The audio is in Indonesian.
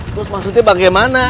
terus maksudnya bagaimana